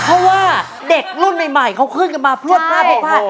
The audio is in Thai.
เพราะว่าเด็กรุ่นใหม่เขาขึ้นกันมาพลวดพลาดพลวดพลาด